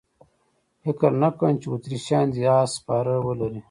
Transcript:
فکر نه کوم چې اتریشیان دې اس سپاره ولري.